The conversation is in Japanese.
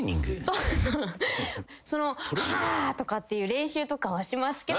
「はあー」とかっていう練習とかはしますけど。